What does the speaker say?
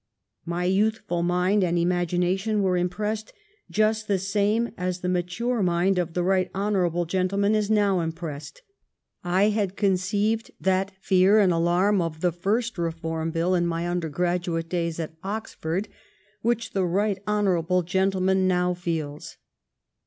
My youthful mind and imagination were impressed just the same as the mature mind of the right hon orable gentleman is now impressed. I had con ceived that fear and alarm of the first Reform Bill in my undergraduate days at Oxford which the right honorable gentleman now feels.